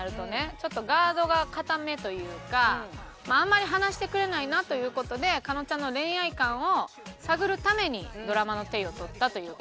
ちょっとガードが固めというかあんまり話してくれないなという事で加納ちゃんの恋愛観を探るためにドラマの体を取ったという事ですね。